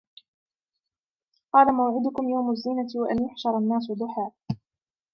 قال موعدكم يوم الزينة وأن يحشر الناس ضحى